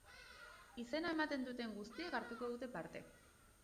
Izena ematen duten guztiek hartuko dute parte.